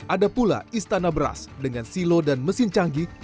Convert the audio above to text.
ada pula istana beras dengan silo dan mesin canggih